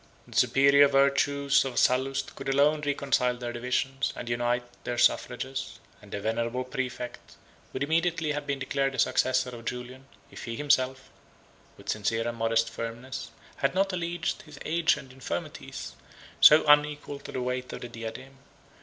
The superior virtues of Sallust could alone reconcile their divisions, and unite their suffrages; and the venerable præfect would immediately have been declared the successor of Julian, if he himself, with sincere and modest firmness, had not alleged his age and infirmities, so unequal to the weight of the diadem.